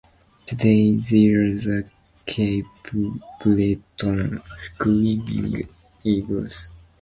Today they are the Cape Breton Screaming Eagles.